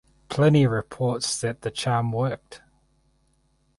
Pliny reports that the charm worked.